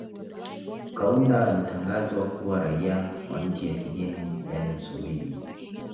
Kaunda alitangazwa kuwa raia wa nchi ya kigeni yaani Msumbiji